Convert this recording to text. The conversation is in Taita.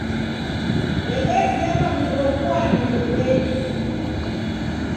W'edezerwa w'iroghuane mbuw'enyi.